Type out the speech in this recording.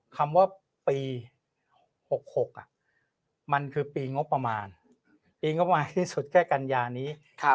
คำว่าปี๖๖มันคือปีงบประมาณปีงบประมาณที่สุดแค่กัญญานี้